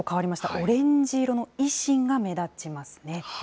オレンジ色の維新が目立ちますね。